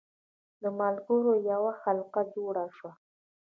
د ملګرو یوه حلقه جوړه شوه.